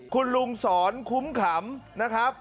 คุ้นลุงสอนคุ้มขำ